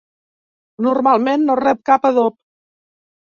Normalment no rep cap adob.